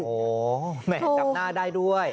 โอ้โหแหมจับหน้าได้ด้วย